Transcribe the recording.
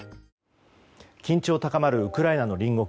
緊張高まるウクライナの隣国